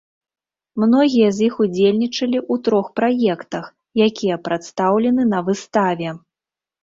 Многія з іх удзельнічалі ў трох праектах, якія прадстаўлены на выставе.